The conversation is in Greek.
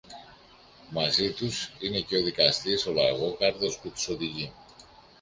Μαζί τους είναι και ο δικαστής ο Λαγόκαρδος που τους οδηγεί